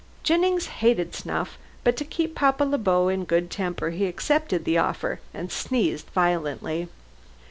Jennings hated snuff, but to keep Papa Le Beau in a good temper he accepted the offer and sneezed violently.